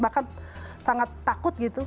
bahkan sangat takut